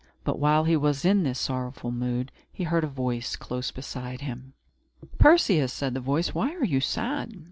But, while he was in this sorrowful mood, he heard a voice close beside him. "Perseus," said the voice, "why are you sad?"